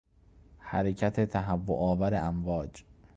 حرکت تهوعآور امواج